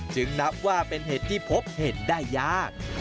นับว่าเป็นเห็ดที่พบเห็ดได้ยาก